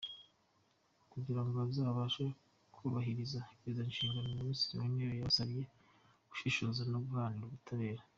Kugira ngo bazabashe kubahiriza izo nshingano, Minisitiri w’Intebe yabasabye gushishoza no guharanira ubutabera.